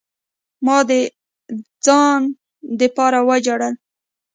ما د ځان د پاره وجړل.